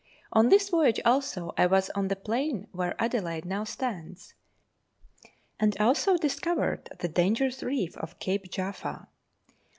On this voyage also I was on the plain where Adelaide now stands; and also discovered the dangerous reef off Cape Jaffa.